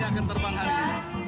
saya akan terbang hari ini